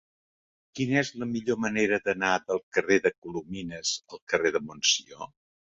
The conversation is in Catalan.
Quina és la millor manera d'anar del carrer de Colomines al carrer de Montsió?